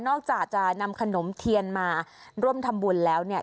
อกจากจะนำขนมเทียนมาร่วมทำบุญแล้วเนี่ย